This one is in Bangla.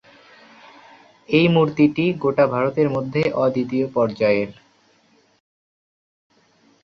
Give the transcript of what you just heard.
এই মূর্তিটি গোটা ভারতের মধ্যে অদ্বিতীয় পর্যায়ের।